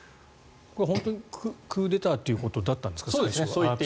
本当にクーデターということだったんですか？